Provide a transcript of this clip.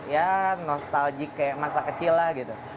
ya nostalgic kayak masa kecil lah gitu